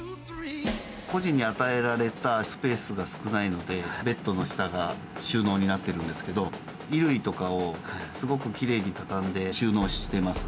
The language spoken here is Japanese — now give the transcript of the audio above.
個人に与えられたスペースが少ないので、ベッドの下が収納になってるんですけど、衣類とかをすごくきれいに畳んで収納してます。